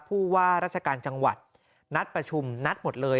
ผู้ว่าราชการจังหวัดนัดประชุมนัดหมดเลย